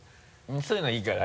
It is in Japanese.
そういうのいいから。